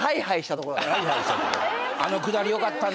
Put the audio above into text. あのくだりよかったな。